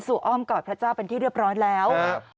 อ้อมกอดพระเจ้าเป็นที่เรียบร้อยแล้ว